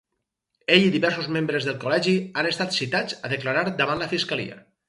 Ell i diversos membres del col·legi han estat citats a declarar davant la fiscalia.